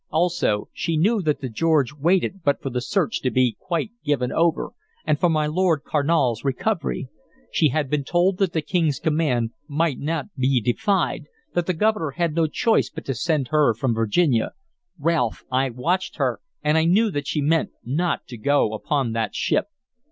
Also she knew that the George waited but for the search to be quite given over, and for my Lord Carnal's recovery. She had been told that the King's command might not be defied, that the Governor had no choice but to send her from Virginia. Ralph, I watched her, and I knew that she meant not to go upon that ship.